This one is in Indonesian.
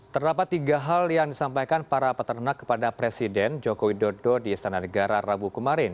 terdapat tiga hal yang disampaikan para peternak kepada presiden joko widodo di istana negara rabu kemarin